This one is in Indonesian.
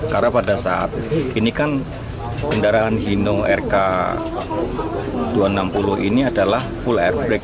karena pada saat ini kan kendaraan hino rk dua ratus enam puluh ini adalah full air brake